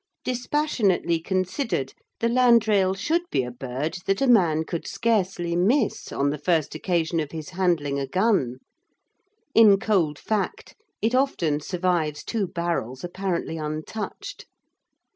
Dispassionately considered, the landrail should be a bird that a man could scarcely miss on the first occasion of his handling a gun; in cold fact, it often survives two barrels apparently untouched.